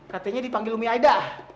katanya dipanggil umi aida